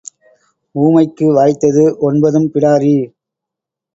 ஊமைக்கு வாய்த்தது ஒன்பதும் பிடாரி.